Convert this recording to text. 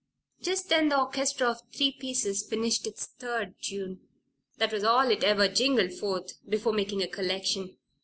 Just then the orchestra of three pieces finished its third tune. That was all it ever jingled forth before making a collection.